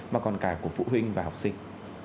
mà còn cả của phụ huynh và học sinh